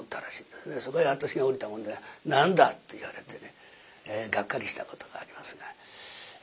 そこへ私が降りたもんで「何だ」って言われてねがっかりしたことがありますが。